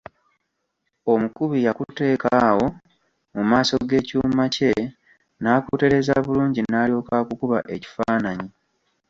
Omukubi yakuteeka awo mu maaso g'ekyuma kye n'akutereeza bulungi n'alyoka akukuba ekifaananyi.